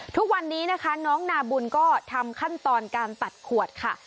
ทุกวันนี้นะคะน้องนาบุญก็ทำขั้นตอนการตัดขวดค่ะ